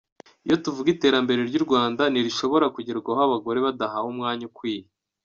Iyo tuvuga iterambere ry’u Rwanda ntirishobora kugerwaho abagore badahawe umwanya ukwiye.